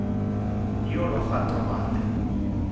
Io lo ha trovate.